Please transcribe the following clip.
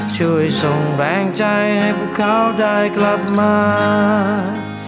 ช่วยส่งแรงใจให้พวกเขาได้กลับมา